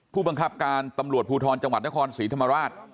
ผู้บังคับการตำรวจภูทรจังหวัดนครศรีธรรมราช